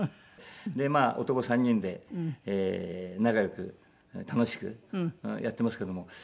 まあ男３人で仲良く楽しくやってますけども。